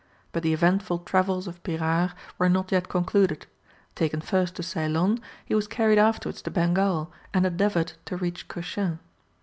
But the eventful travels of Pyrard were not yet concluded. Taken first to Ceylon, he was carried afterwards to Bengal, and endeavoured to reach Cochin.